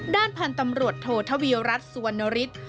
ด้านพันธ์ตำรวจโทธวิรัติสวนฤทธิ์